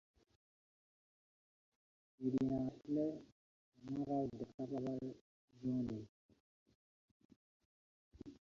দিদি না আসলে তোমার আর দেখা পাবার জো নেই।